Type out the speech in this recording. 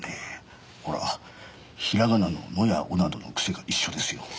ほら平仮名の「の」や「を」などの癖が一緒ですよ。